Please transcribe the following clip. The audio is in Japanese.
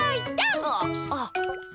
あっ。